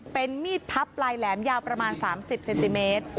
เป็นมีดพับปลายแหลมยาวประมาณ๓๐เซนติเมตร